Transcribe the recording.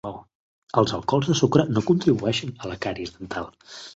Els alcohols de sucre no contribueixen a la càries dental.